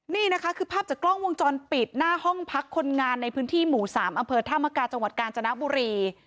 นี่นะคะคือภาพจากกล้องวงจรปิดหน้าห้องพักคนงานในพื้นที่หมู่๓อำเภอธามกาจังหวัดกาญจนบุรี